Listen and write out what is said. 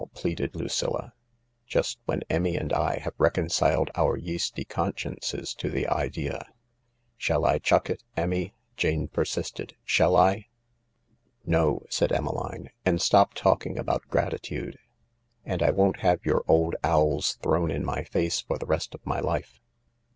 " pleaded Lucilla, " just when Emmy and I have reconciled our yeasty consciences to the idea." " Shall I chuck it, Emmy ?" Jane persisted. " Shall THE LARK 9 " No," said Emmeline. " And stop talking about grati tude. And I won't have your old owls thrown in my face for the rest of my life.